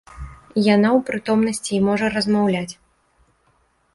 Яна ў прытомнасці і можа размаўляць.